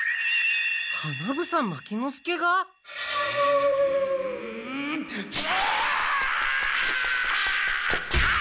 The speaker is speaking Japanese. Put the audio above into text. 花房牧之介が？とあ！